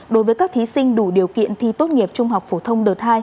đối với các thí sinh đủ điều kiện thi tốt nghiệp trung học phổ thông đợt hai